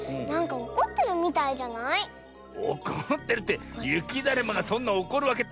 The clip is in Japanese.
おこってるってゆきだるまがそんなおこるわけって。